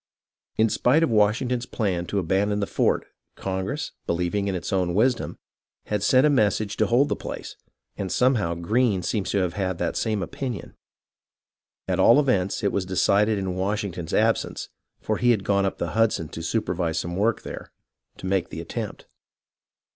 In spite of 132 HISTORY OF THE AMERICAN REVOLUTION Washington's plan to abandon the fort, Congress, believ ing in its own wisdom, had sent a message to hold the place, and somehow Greene seems to have had that same opinion. At all events, it was decided in Washington's absence, — for he had gone up the Hudson to supervise some work there, — to make the attempt.